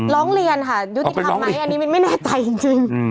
ร้องเรียนค่ะยุติธรรมไหมอันนี้มินไม่แน่ใจจริง